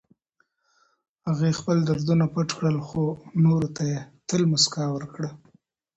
هغې خپل دردونه پټ کړل، خو نورو ته يې تل مسکا ورکړه.